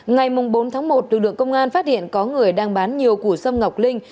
ngày bốn tháng một lực lượng công an phát hiện có người đang bán nhiều củ xâm ngọc linh